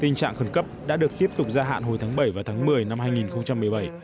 tình trạng khẩn cấp đã được tiếp tục gia hạn hồi tháng bảy và tháng một mươi năm hai nghìn một mươi bảy